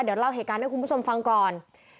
เดี๋ยวเราเทศการณ์เพื่อคุณผู้ชมฟังก่อน